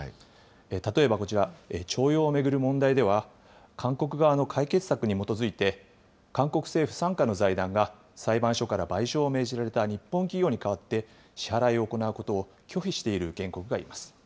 例えばこちら、徴用を巡る問題では、韓国側の解決策に基づいて、韓国政府傘下の財団が、裁判所から賠償を命じられた日本企業に代わって支払いを行うことを拒否している原告がいます。